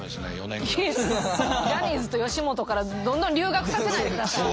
ジャニーズと吉本からどんどん留学させないでください。